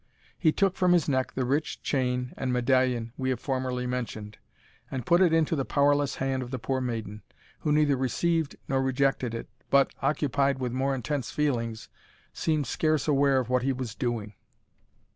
He took from his neck the rich chain and medallion we have formerly mentioned, and put it into the powerless hand of the poor maiden, who neither received nor rejected it, but, occupied with more intense feelings, seemed scarce aware of what he was doing.